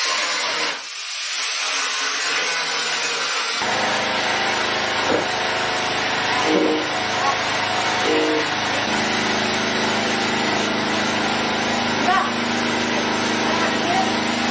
อันดับที่สุดท้ายก็จะเป็น